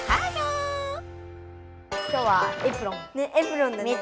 今日はエプロン。ね！